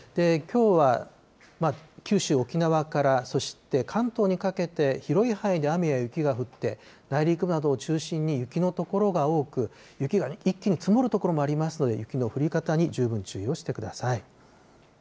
きょうは九州、沖縄からそして関東にかけて、広い範囲で雨や雪が降って、内陸などを中心に雪の所が多く、雪が一気に積もる所もありますので、雪の降り方に十分注意をしてください。